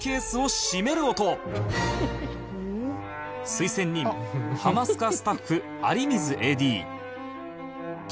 推薦人『ハマスカ』スタッフ有水 ＡＤ